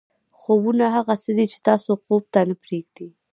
خوبونه هغه څه دي چې تاسو خوب ته نه پرېږدي.